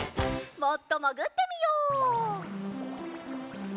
もっともぐってみよう。